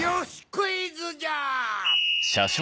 クイズじゃ！